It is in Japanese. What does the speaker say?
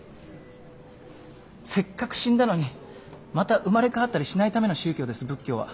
せっかく死んだのにまた生まれ変わったりしないための宗教です仏教は。